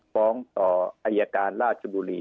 ฟ้องต่ออายการราชบุรี